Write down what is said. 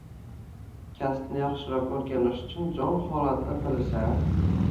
Kasbni yaxshiroq o'rganish uchun jon holatda tirishar